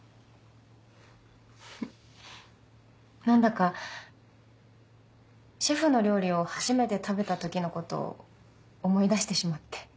何だかシェフの料理を初めて食べた時のことを思い出してしまって。